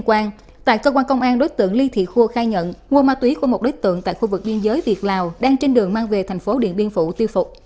nguồn ma túy của một đối tượng tại khu vực biên giới việt lào đang trên đường mang về thành phố điện biên phủ tiêu thụ